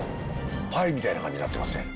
パイみたいな感じになってますね。